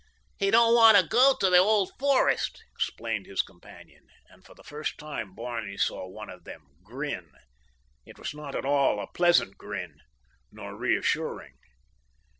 "He don't want to go to the Old Forest," explained his companion, and for the first time Barney saw one of them grin. It was not at all a pleasant grin, nor reassuring.